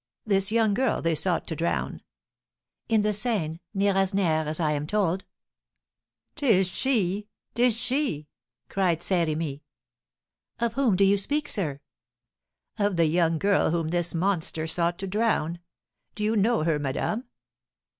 This young girl they sought to drown " "In the Seine, near Asnières, as I am told." "'Tis she! 'Tis she!" cried Saint Remy. "Of whom do you speak, sir?" "Of the young girl whom this monster sought to drown. Do you know her, madame?"